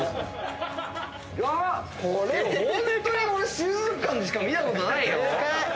これホントに俺水族館でしか見たことないよ。